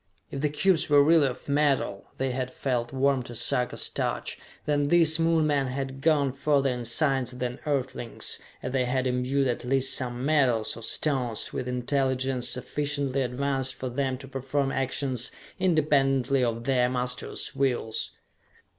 If the cubes were really of metal they had felt warm to Sarka's touch then these Moon men had gone further in science than Earthlings, as they had imbued at least some metals, or stones, with intelligence sufficiently advanced for them to perform actions independently of their masters' wills.